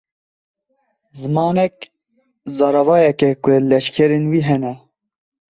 Zimanek, zaravayek e ku leşkerên wî hene.